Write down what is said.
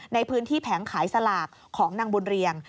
ในพื้นที่แผงขายสลากของนางบุญเรียง